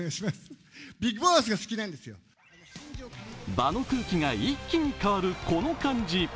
場の空気が一気に変わるこの感じ。